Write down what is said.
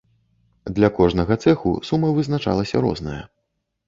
Для кожнага цэху сума вызначалася розная.